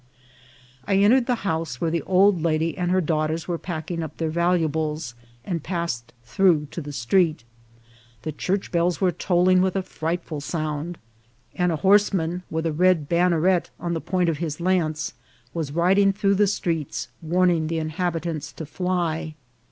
I entered the house, where the old lady and her daughters were packing up their valuables, and passed through to the street. The church bells were tolling with a frightful sound, and a horseman, with a red ban neret on the point of his lance, was riding through the streets warning the inhabitants to fly.